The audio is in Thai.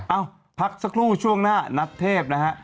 เอ้าพักสักครู่ช่วงหน้านัทเทพนะฮะ